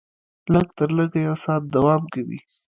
لږ تر لږه یو ساعت دوام کوي.